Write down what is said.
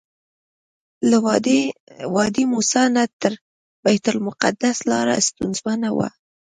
له وادي موسی نه تر بیت المقدسه لاره ستونزمنه وه.